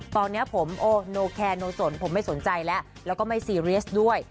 ตอนนี้ผมโอโนแคโนสนผมไม่สนใจแล้วแล้วก็ไม่ซีเรียสด้วย